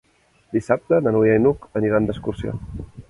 Dissabte na Núria i n'Hug aniran d'excursió.